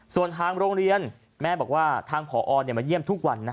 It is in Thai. ส่วนทางโรงเรียนแม่บอกว่าทางผอมาเยี่ยมทุกวัน